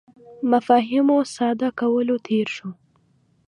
مفاهیمو ساده کولو تېر شو.